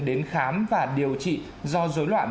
đến khám và điều trị do dối loạn